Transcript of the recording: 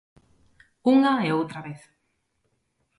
Unha e outra vez.